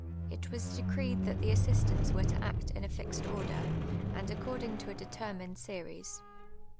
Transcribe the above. It was decreed that the assistants were to act in a fixed order, and nccordinj; to a determined series.